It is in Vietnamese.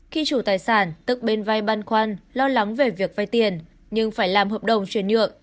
khi chủ tài sản tức bên vai băn khoăn lo lắng về việc vay tiền nhưng phải làm hợp đồng chuyển nhượng